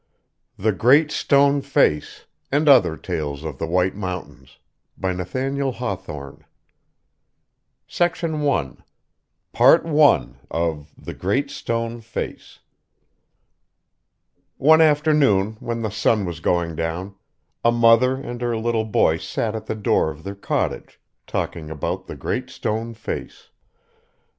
THE GREAT STONE FACE and Other Tales Of The White Mountains THE GREAT STONE FACE One afternoon, when the sun was going down, a mother and her little boy sat at the door of their cottage, talking about the Great Stone Face.